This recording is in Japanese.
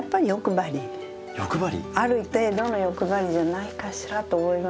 ある程度の欲張りじゃないかしらと思いますね。